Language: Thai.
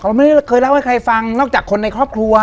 ไม่ได้เคยเล่าให้ใครฟังนอกจากคนในครอบครัว